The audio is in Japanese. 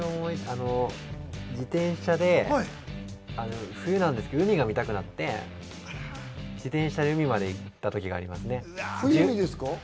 自転車で冬なんですけど海が見たくなって、自転車で海まで行った時があります。